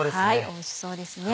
おいしそうですね。